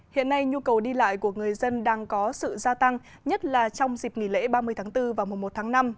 hiện nay nhu cầu đi lại của người dân đang có sự gia tăng nhất là trong dịp nghỉ lễ ba mươi tháng bốn và mùa một tháng năm